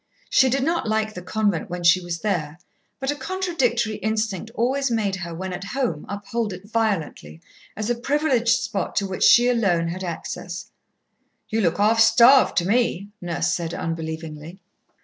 She did not like the convent when she was there, but a contradictory instinct always made her when at home uphold it violently, as a privileged spot to which she alone had access. "You look half starved, to me," Nurse said unbelievingly.